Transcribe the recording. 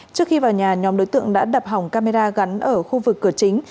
trước khi vào nhà nhóm đối tượng đã đập hỏng camera gắn ở khu vực cửa chính